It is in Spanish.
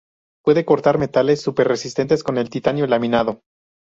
Puede cortar metales super resistentes como el titanio laminado.